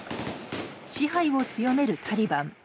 支配を強めるタリバン。